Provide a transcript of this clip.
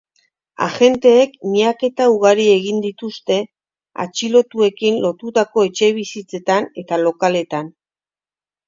Agenteek miaketa ugari egin dituzte atxilotuekin lotutako etxebizitzetan eta lokaletan.